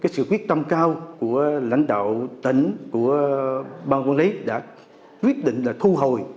sự quyết tâm cao của lãnh đạo tỉnh của bang quân lý đã quyết định là thu hồi